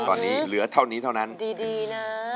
ตอนนี้เหลือเท่านี้เท่านั้นดีนะ